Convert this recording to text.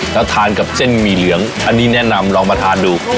แล้วทานกับเส้นหมี่เหลืองอันนี้แนะนำลองมาทานดู